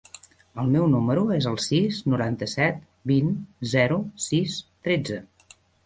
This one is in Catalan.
El meu número es el sis, noranta-set, vint, zero, sis, tretze.